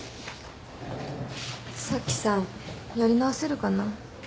早紀さんやり直せるかな？